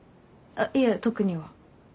あっいえ特には。